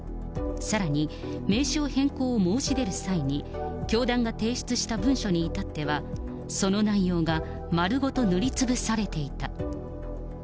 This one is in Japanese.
さらに、名称変更を申し出る際に、教団が提出した文書に至っては、その内容が丸ごと塗りつぶされていた。